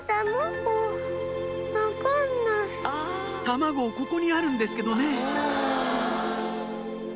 卵ここにあるんですけどね